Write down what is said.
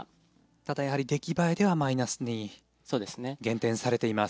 ただ、出来栄えではマイナスに減点されています。